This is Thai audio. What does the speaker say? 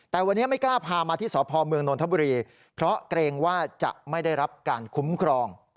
แต่วันนี้ไม่กล้าพามาที่สพเมืองนนทบุรีเพราะเกรงว่าจะไม่ได้รับการคุ้มครอง